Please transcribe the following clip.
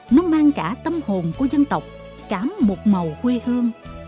nó mang cả tâm hồn của dân tộc cảm một màu quê hương